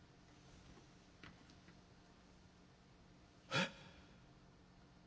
「えっ？